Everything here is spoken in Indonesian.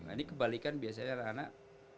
nah ini kebalikan biasanya anak anak